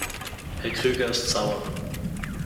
Herr Krüger ist sauer.